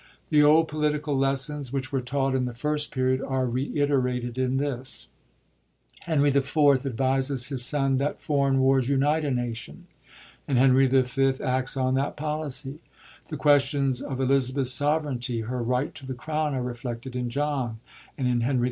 The old political lessons which were taught in the First Period are reiterated in this ; Henry IV. advises his son that foreign wars unite a nation, and Henry V. acts on that policy; the questions of Elizabeth's sovereignty, her right to the crown, are reflected in John and in Henry IV.